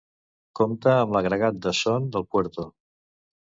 Compta amb l'agregat de Son del Puerto.